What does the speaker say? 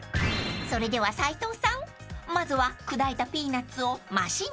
［それでは斉藤さんまずは砕いたピーナッツをマシンに投入］